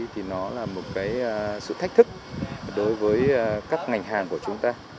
thì nó là một cái sự thách thức đối với các ngành hàng của chúng ta